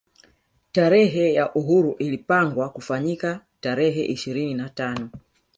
Tarehe ya uhuru ilapangwa kufanyika tarehe ishirini na tano